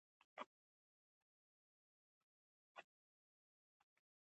د پښتو ژبی شاعران پخپلو شعري ټولګو کي هاند او هڅه کوي